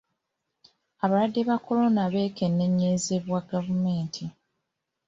Abalwadde ba korona beekenneenyezebwa gavumenti.